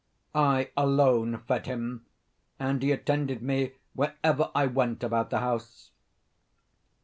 I alone fed him, and he attended me wherever I went about the house.